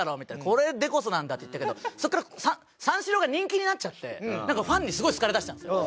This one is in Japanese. これでこそなんだって言ったけどそこから三四郎が人気になっちゃってなんかファンにすごい好かれだしたんですよ。